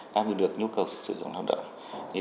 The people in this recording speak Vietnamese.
đã được nhu cầu sử dụng tham đợi